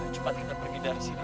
cepat kita pergi dari sini